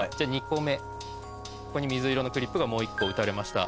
２個目ここに水色のクリップがもう１個打たれました。